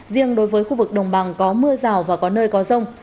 riêng đối với khu vực đồng bằng có mưa rào và có nơi có rông